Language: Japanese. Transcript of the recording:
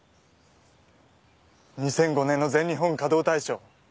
２００５年の全日本華道大賞。